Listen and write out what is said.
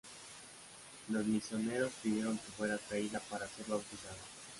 Los misioneros pidieron que fuera traída para ser bautizada.